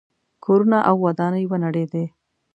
کورونه او ودانۍ ونړېدې.